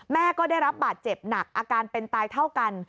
แม่ก็ได้รับบาดเจ็บหนักอาการเป็นตายเท่ากัน